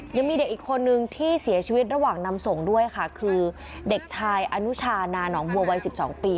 ยังมีเด็กอีกคนนึงที่เสียชีวิตระหว่างนำส่งด้วยค่ะคือเด็กชายอนุชานาหนองบัววัย๑๒ปี